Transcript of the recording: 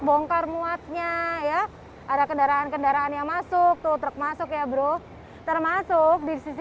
bongkar muatnya ya ada kendaraan kendaraan yang masuk tuh truk masuk ya bro termasuk di sisi